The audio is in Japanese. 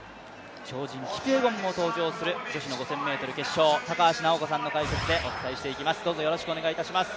超人キピエゴンも登場する女子の５０００ｍ決勝、高橋尚子さんの解説でお伝えしていきます。